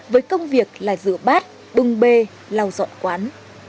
với công việc là rửa bát bùng bê lau dọn quán